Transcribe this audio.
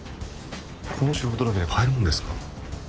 この仕事だけで買えるんですか？